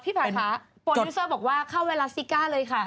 พี่ภาคะโปรดิวเซอร์บอกว่าเข้าเวลาซิก้าเลยค่ะ